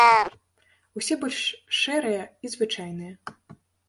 Усе больш шэрыя і звычайныя.